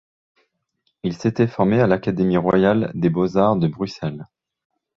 Il s'était formé à l'Académie royale des beaux-arts de Bruxelles.